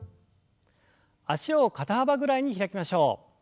脚を肩幅ぐらいに開きましょう。